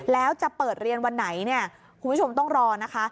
แล้วจะเปิดเรียนวันไหนเนี่ยคุณผู้ชมต้องรอนะคะ